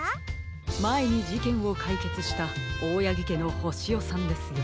まえにじけんをかいけつしたオオヤギけのホシヨさんですよ。